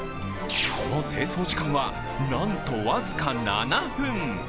その清掃時間はなんと僅か７分。